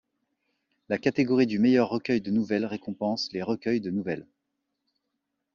La catégorie du meilleur recueil de nouvelles récompense les recueils de nouvelles.